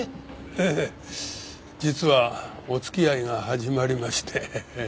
ええ実はお付き合いが始まりまして。